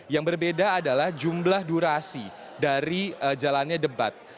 yang berbeda adalah jumlah durasi dari jalannya debat